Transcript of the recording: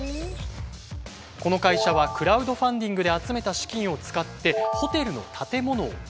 この会社はクラウドファンディングで集めた資金を使ってホテルの建物を買収。